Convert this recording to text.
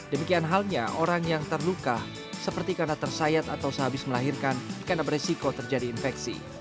demikian halnya orang yang terluka seperti karena tersayat atau sehabis melahirkan karena beresiko terjadi infeksi